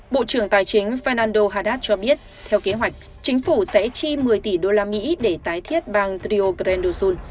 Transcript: bộ trưởng tài chính fernando haddad cho biết theo kế hoạch chính phủ sẽ chi một mươi tỷ đô la mỹ để tái thiết bang rio grande do sul